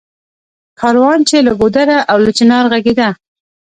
کاروان چــــې له ګـــــودره او له چنار غـــږېده